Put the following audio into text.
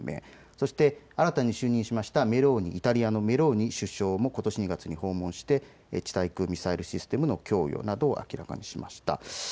そして新たに就任したイタリアのメローニ首相もことし２月に訪問して地対空ミサイルシステムの供与などを明らかにしました。